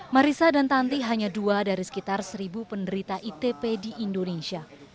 marisa dan tanti hanya dua dari sekitar seribu penderita itp di indonesia